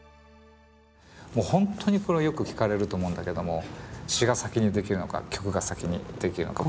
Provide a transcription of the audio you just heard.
もう本当にこれはよく聞かれると思うんだけども詞が先に出来るのか曲が先に出来るのか。